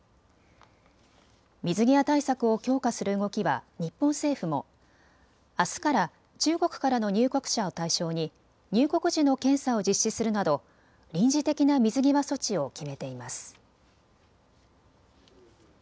水際対策を強化する動きは日本政府もあすから中国からの入国者を対象に入国時の検査を実施するなど臨時的な水際措置を決めています。